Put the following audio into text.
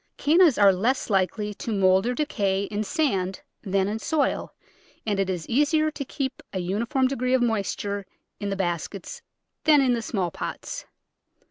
Cannas are less likely to mould or decay in sand than in soil, and it is easier to keep a uniform degree of moisture in the baskets than in the small pots.